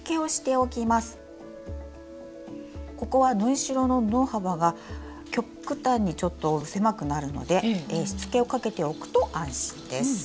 ここは縫い代の布幅が極端にちょっと狭くなるのでしつけをかけておくと安心です。